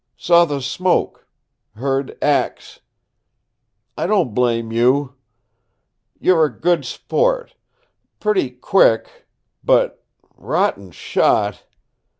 Saw the smoke heard axe I don't blame you. You're a good sport pretty quick but rotten shot!